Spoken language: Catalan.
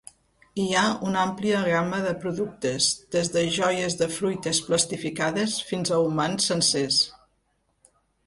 Hi ha una àmplia gamma de productes, des de joies de fruites plastificades fins a humans sencers.